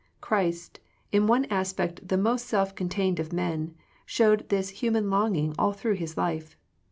Christ, in one aspect the most self contained of men, showed this human longing all through His life.